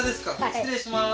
失礼します